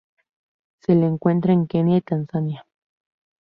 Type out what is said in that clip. Se lo encuentra en Kenya y Tanzania.